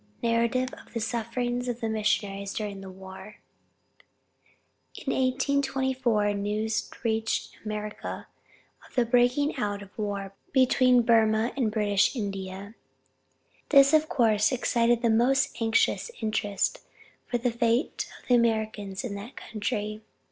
NARRATIVE OF THE SUFFERINGS OF THE MISSIONARIES DURING THE WAR. In 1824 news reached America of the breaking out of war between Burmah and British India. This of course excited the most anxious interest for the fate of the Americans in that country.